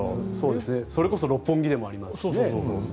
それこそ六本木でもありますしね。